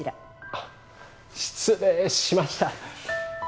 あっ失礼しました